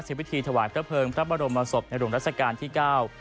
เจนเวลาวิธีถวายเพลิงพระบรมศพในฐวรรษการที่เก้า